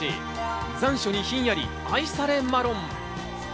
残暑にひんやり、愛されマロン。